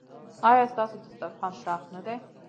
ایا ستاسو دسترخوان پراخ نه دی؟